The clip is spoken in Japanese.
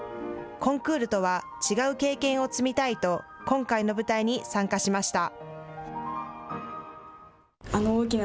コンクールとは違う経験を積みたいと今回の舞台に参加しました。